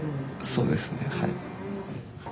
そうですねはい。